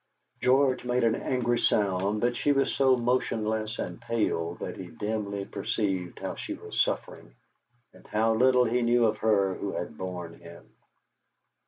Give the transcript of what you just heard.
George made an angry sound, but she was so motionless and pale that he dimly perceived how she was suffering, and how little he knew of her who had borne him.